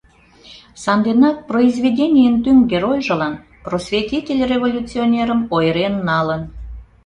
Санденак произведенийын тӱҥ геройжылан просветитель-революционерым ойырен налын.